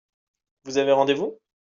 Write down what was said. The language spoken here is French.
Vous avez rendez-vous ?